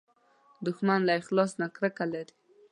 دښمن له اخلاص نه کرکه لري